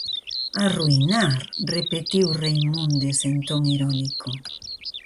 -Arruinar! -repetiu Reimúndez en ton irónico.